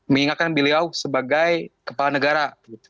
mengingatkan beliau sebagai kepala negara